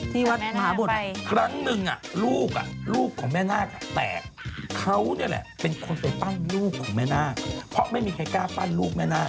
ที่วัดมหาบุฏ